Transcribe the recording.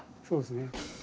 そうですね。